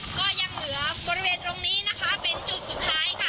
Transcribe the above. ก็ยังเหลือบริเวณตรงนี้นะคะเป็นจุดสุดท้ายค่ะ